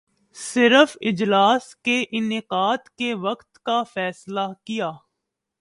صرف اجلاس کے انعقاد کے وقت کا فیصلہ کیا